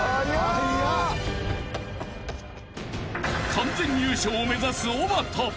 ［完全優勝を目指すおばた］